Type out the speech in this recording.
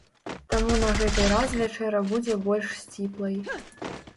Таму на гэты раз вячэра будзе больш сціплай.